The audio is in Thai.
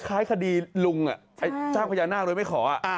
คล้ายคดีลุงจ้างพญานาคโดยไม่ขอ